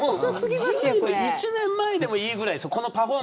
１年前でもいいぐらいですよ。